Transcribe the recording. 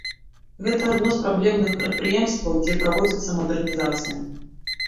Гэта адно з праблемных прадпрыемстваў, дзе праводзіцца мадэрнізацыя.